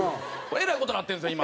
えらい事になってるんですよ